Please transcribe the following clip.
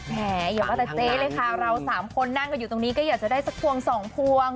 แหมอย่าว่าแต่เจ๊เลยค่ะเราสามคนนั่งกันอยู่ตรงนี้ก็อยากจะได้สักพวงสองพวง